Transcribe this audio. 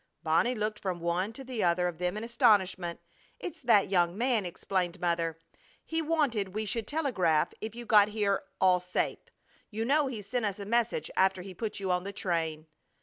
Bonnie looked from one to the other of them in astonishment. "It's that young man!" explained Mother. "He wanted we should telegraph if you got here all safe. You know he sent us a message after he put you on the train."